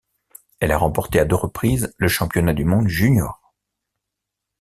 Elle a remporté à deux reprises le championnat du monde juniors.